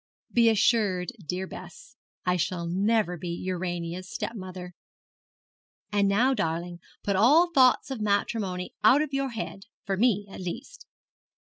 'Be assured, dear Bess, I shall never be Urania's stepmother. And now, darling, put all thoughts of matrimony out of your head; for me, at least.'